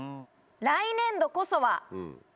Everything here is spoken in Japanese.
「来年度こそは」。